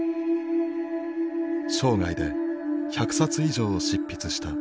生涯で１００冊以上を執筆した立花さん。